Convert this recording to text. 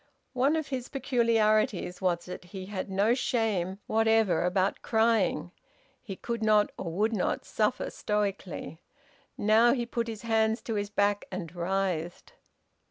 One of his peculiarities was that he had no shame whatever about crying. He could not, or he would not, suffer stoically. Now he put his hands to his back, and writhed.